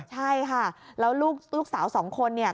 ใช่ค่ะแล้วลูกสาวสองคนเนี่ย